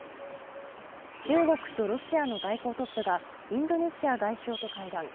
中国とロシアの外交トップがインドネシア外相と会談。